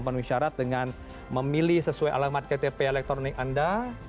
penuhi syarat dengan memilih sesuai alamat ktp elektronik anda